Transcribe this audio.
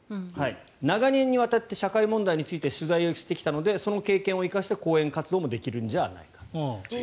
長年にわたって社会問題について取材をしてきたのでその経験を生かした講演活動もできるんじゃないか。